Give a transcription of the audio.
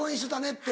って？